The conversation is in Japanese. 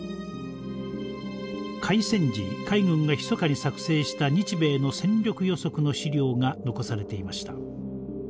開戦時海軍がひそかに作成した日米の戦力予測の資料が残されていました。